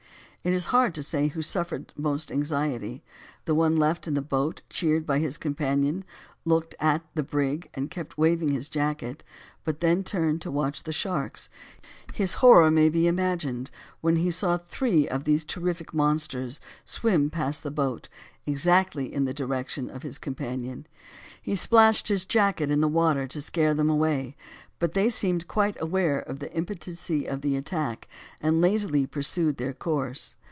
It is hard to say who suffered the most anxiety. The one left in the boat cheered his companion, looked at the brig, and kept waving his jacket, then turned to watch the sharks; his horror may be imagined when he saw three of these terrific monsters swim past the boat, exactly in the direction of his companion; he splashed his jacket in the water to scare them away, but they seemed quite aware of the impotency of the attack, and lazily pursued their course.